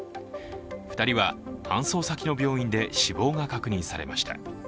２人は搬送先の病院で死亡が確認されました。